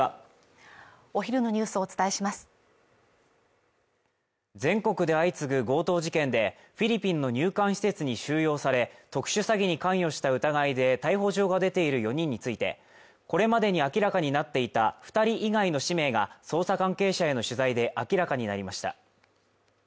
お昼のニュースをお伝えします全国で相次ぐ強盗事件でフィリピンの入管施設に収容され特殊詐欺に関与した疑いで逮捕状が出ている４人についてこれまでに明らかになっていた二人以外の氏名が捜査関係者への取材で明らかになりました